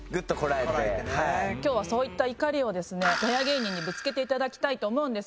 今日はそういった怒りをガヤ芸人にぶつけていただきたいと思う。